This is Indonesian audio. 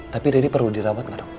tapi riri perlu dirawat nggak dok